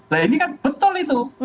nah ini kan betul itu